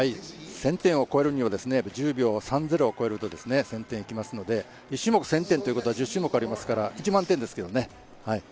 １０００点を超えるには１０秒３０を越えると１０００点行きますので、１種目１０００ということは、１０種目ありますから１万点ですよね